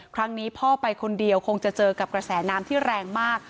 ครั้งนี้พ่อไปคนเดียวคงจะเจอกับกระแสน้ำที่แรงมาก